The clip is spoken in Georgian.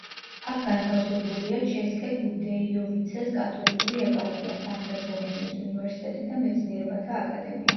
აქ განთავსებულია ჩესკე-ბუდეიოვიცეს კათოლიკური ეპარქია, სამხრეთ ბოჰემიის უნივერსიტეტი და მეცნიერებათა აკადემია.